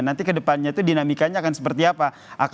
nanti kedepannya itu dinamikanya akan seperti apa